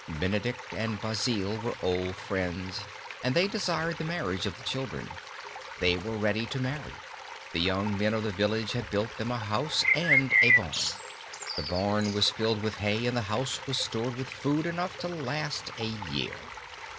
Benedict and Basil were old friends and they desired the marriage of the children. They were ready to marry. The young men of the village had built them a house and a barn. The barn was filled with hay and the house was stored with food enough to last a year.